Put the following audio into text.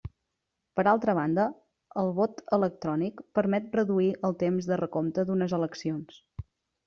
Per altra banda, el vot electrònic permet reduir el temps de recompte d'unes eleccions.